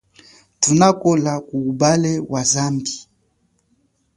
Thunakola kuwupale wa zambi.